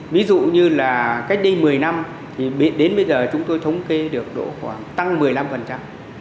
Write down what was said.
ví dụ như là cách đây một mươi năm thì đến bây giờ chúng tôi thống kê được độ khoảng tăng một mươi năm